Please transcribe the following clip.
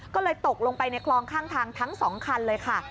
ก็เลยตกลงไปในคลองข้างทางทั้ง๒คันเลยค่ะ